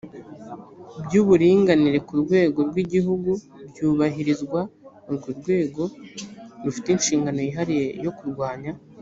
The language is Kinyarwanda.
by uburinganire ku rwego rw igihugu byubahirizwa urwo rwego rufite inshingano yihariye yo kurwanya